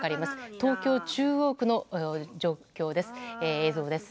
東京・中央区の映像です。